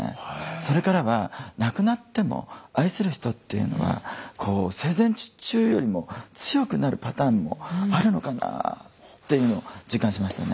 それからは亡くなっても愛する人っていうのはこう生前中よりも強くなるパターンもあるのかなっていうのを実感しましたね。